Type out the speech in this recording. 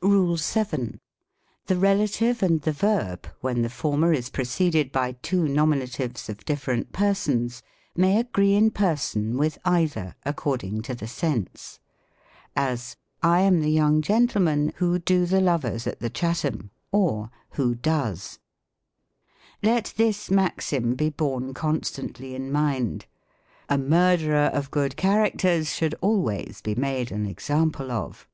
RULE VII. The relative and the verb, when the former is pre ceded by two nominatives of different persons, may agree in person with either, according to the sense : as, " I am the young gentleman who do the lovers at the Chatham;" or, ^^ toho does." Let this maxim be borne constantly in mind. "A murderer of good characters should always be made an example of."